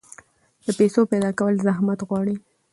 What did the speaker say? د پیسو پیدا کول زحمت غواړي.